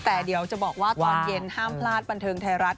แต่เดี๋ยวจะบอกว่าตอนเย็นห้ามพลาดบันเทิงไทยรัฐ